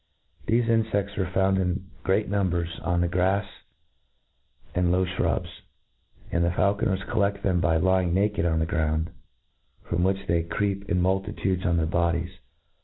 Thefe infeds are found in great numbers on the grafs and low fhrubs; and the faulconers colled them by lying •naked* on the ground, from which they creep in multitudes on their bo dies.